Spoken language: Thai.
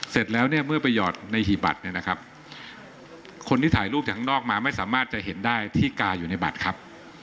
เสร็จแล้วเนี่ยเมื่อไปหยอดในหีบบัตรเนี่ยนะครับคนที่ถ่ายรูปจากข้างนอกมาไม่สามารถจะเห็นได้ที่กาอยู่ในบัตรครับ